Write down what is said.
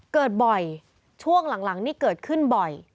เกิดบ่อยช่วงหลังนี่เกิดขึ้นบ่อย